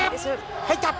入った。